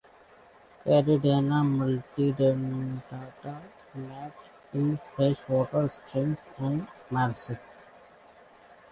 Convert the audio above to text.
"Caridina multidentata" mate in freshwater streams and marshes.